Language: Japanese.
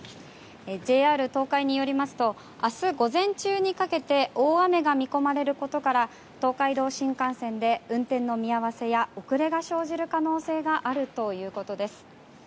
ＪＲ東海によりますと明日午前中にかけて大雨が見込まれることから東海道新幹線で運転の見合わせや遅れが生じる可能性があるということです。